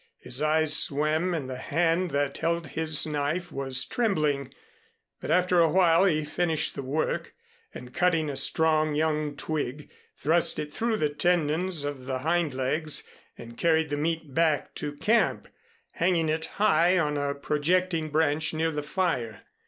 His eyes swam and the hand that held his knife was trembling; but after a while he finished his work, and cutting a strong young twig, thrust it through the tendons of the hind legs and carried the meat back to camp, hanging it high on a projecting branch near the fire.